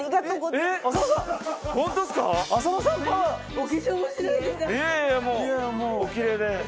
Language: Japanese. いやいやもうおきれいで。